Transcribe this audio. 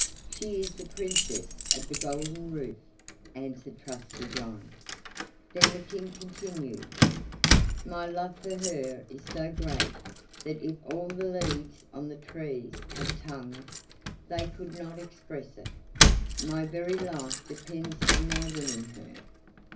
"She is the Princess of the Golden Roof," answered Trusty John. Then the King continued: "My love for her is so great that if all the leaves on the trees had tongues they could not express it; my very life depends on my winning her.